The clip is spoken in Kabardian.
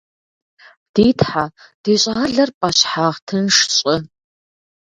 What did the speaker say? Ди Тхьэ, ди щӏалэр пӏэщхьагъ тынш щӏы!